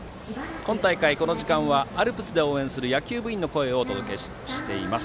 今大会、この時間はアルプスで応援する野球部員の声をお届けしています。